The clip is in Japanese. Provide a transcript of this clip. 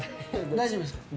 大丈夫です。